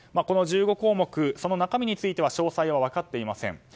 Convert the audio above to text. この１５項目の中身について詳細は分かっていません。